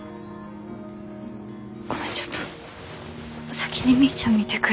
ごめんちょっと先にみーちゃん見てくる。